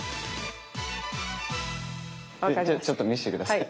ちょっと見せて下さい。